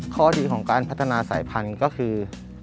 ข้อดีของการพัฒนาสายพันธุ์ก็คือ